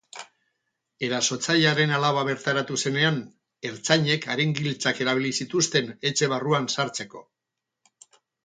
Erasotzailearen alaba bertaratu zenean, ertzainek haren giltzak erabili zituzten etxe barruan sartzeko.